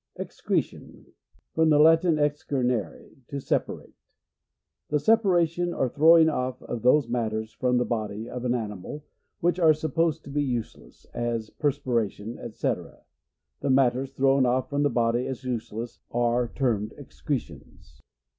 Excretion. — From the Latin, excer nere, to separate. The separation or throwing off of those matters from the body of an animal which are supposed to be useless, as per spiration, &c. The matters thrown off from the body as useless, are termed excretions.